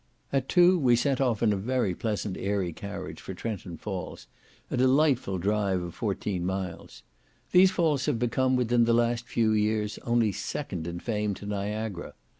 At two, we set off in a very pleasant airy carriage for Trenton Falls, a delightful drive of fourteen miles. These falls have become within the last few years only second in fame to Niagara.